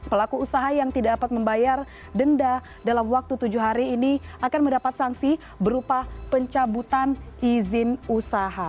pelaku usaha yang tidak dapat membayar denda dalam waktu tujuh hari ini akan mendapat sanksi berupa pencabutan izin usaha